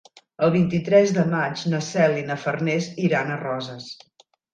El vint-i-tres de maig na Cel i na Farners iran a Roses.